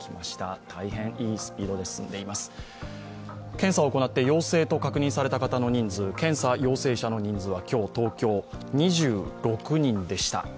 検査を行って陽性と確認された人数、検査陽性者の数は今日、東京は２６人でした。